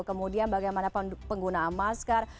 kemudian bagaimana penggunaan masker